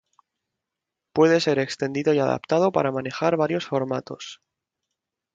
Puede ser extendido y adaptado para manejar varios formatos.